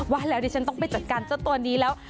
ว่าแล้วดิฉันต้องไปจัดการเจ้าตัวนี้แล้ว